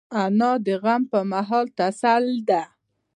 انا د غم پر مهال تسل ده